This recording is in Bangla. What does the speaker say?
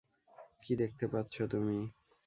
কী দেখতে পাচ্ছ তুমি?